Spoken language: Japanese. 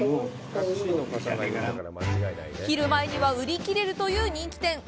昼前には売り切れるという人気店。